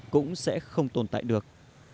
cũng sẽ không tồn tại được